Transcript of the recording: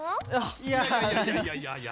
いやいやいやいやいや。